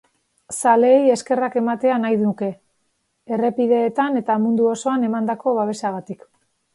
Zaleei eskerrak ematea nahi nuke, errepideetan eta mundu osoan emandako babesagatik.